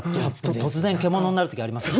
突然獣になる時ありますもんね。